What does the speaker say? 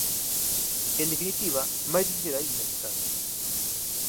En definitiva, máis difícil aínda, se cabe.